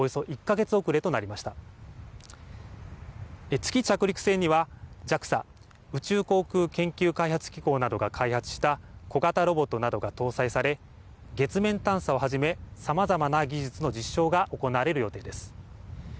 月着陸船にはＪＡＸＡ・宇宙航空研究開発機構などが開発した小型ロボットなどが搭載され月面探査をはじめさまざまな技術の実証が行われる予定です。